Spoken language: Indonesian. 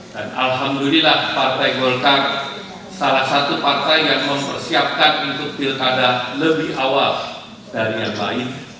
dan alhamdulillah partai golkar salah satu partai yang mempersiapkan untuk pilkada lebih awal dari yang lain